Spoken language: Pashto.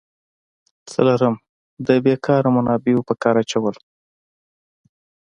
څلورم: د بیکاره منابعو په کار اچول.